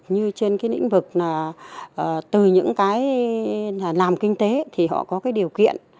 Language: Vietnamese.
như trên cái lĩnh vực từ những cái làm kinh tế thì họ có cái điều kiện